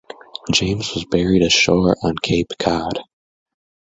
James was buried ashore on Cape Cod.